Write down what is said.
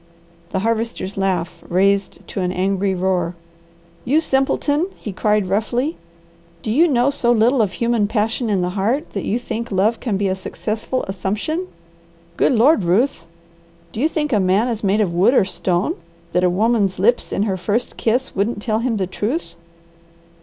The Harvester's laugh raised to an angry roar. "You simpleton!" he cried roughly. "Do you know so little of human passion in the heart that you think love can be a successful assumption? Good Lord, Ruth! Do you think a man is made of wood or stone, that a woman's lips in her first kiss wouldn't tell him the truth?